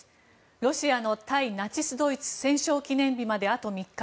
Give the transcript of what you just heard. ロシアの対ナチスドイツ戦勝記念日まであと３日。